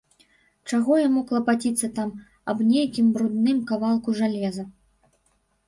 Чаго яму клапаціцца так аб нейкім брудным кавалку жалеза?